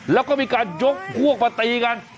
แล้วก็มีการยกพวกมาตีกัน